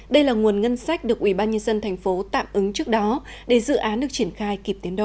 đây là nguồn ngân sách được ubnd tp tạm ứng trước đó để dự án được triển khai kịp tiến độ